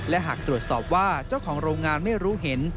และหากตรวจสอบว่าเจ้าของโรงงานไม่รู้เห็น